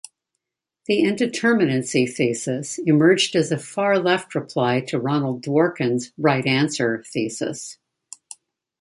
The "indeterminacy thesis" emerged as a far-left reply to Ronald Dworkin's "right answer" thesis.